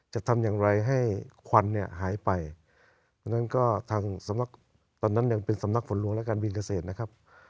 จะทำอย่างไรให้ควันเนี่ยหายไปดังนั้นก็ทางสำนักตอนนั้นยังเป็นสำนักฝนหลวงและการบินเกษตรนะครับ